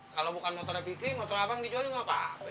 kalau bukan motornya fikri motor abang dijual juga apa be